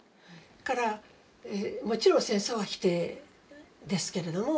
だからもちろん戦争は否定ですけれども。